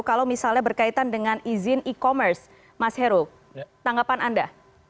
kalau misalnya berkaitan dengan izin e commerce mas heru tanggapan anda